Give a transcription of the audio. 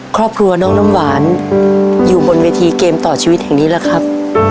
ครอบครัวน้องน้ำหวานอยู่บนเวทีเกมต่อชีวิตแห่งนี้แหละครับ